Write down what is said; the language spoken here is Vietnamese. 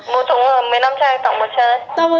một thùng là một mươi năm chai tổng một chai